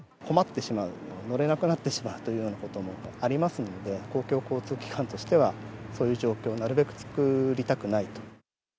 困ってしまう、乗れなくなってしまうというようなこともありますので、公共交通機関としては、そういう状況をなるべく作りたくないと。